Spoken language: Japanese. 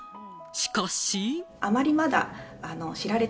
しかし。